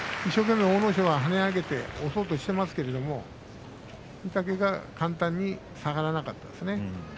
一生懸命、阿武咲は跳ね上げて押そうとしていますけれど御嶽海は簡単に下がらなかったですね。